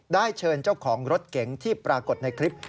ได้เชิญเจ้าของรถเก๋งที่ปรากฏในคลิป